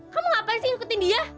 kamu ngapain sih ngikutin dia